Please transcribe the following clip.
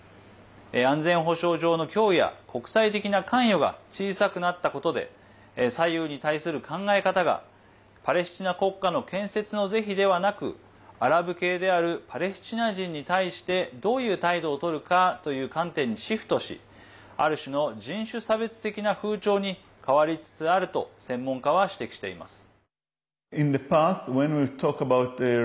安全保障上の脅威や国際的な関与が小さくなったことで左右に対する考え方がパレスチナ国家の建設の是非ではなくアラブ系であるパレスチナ人に対してどういう態度をとるかという観点にシフトしある種の人種差別的な風潮に変わりつつあると専門家は指摘しています。